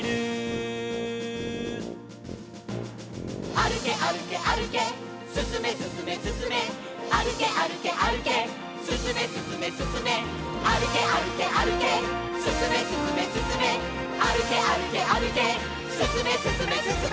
「あるけあるけあるけすすめすすめすすめ」「あるけあるけあるけすすめすすめすすめ」「あるけあるけあるけすすめすすめすすめ」「あるけあるけあるけすすめすすめすすめ」